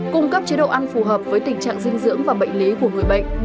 cung cấp chế độ ăn phù hợp với tình trạng dinh dưỡng và bệnh lý của người bệnh